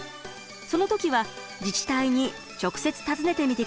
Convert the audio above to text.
その時は自治体に直接尋ねてみて下さい。